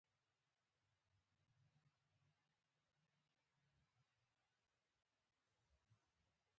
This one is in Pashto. اقتصادي نظام پر ارزانه کاري ځواک تکیه وکړه.